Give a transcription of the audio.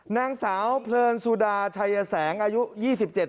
นางสาวเพลิญสุดาชายแสงอายุ๒๗ปี